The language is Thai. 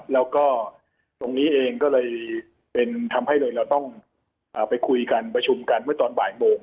แล้วก็ตรงนี้เองก็เลยเป็นทำให้เลยเราต้องไปคุยกันประชุมกันเมื่อตอนบ่ายโมง